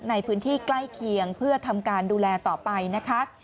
ในพื้นที่ใกล้เคียงเพื่อทำการดูแลต่อไปนะคะ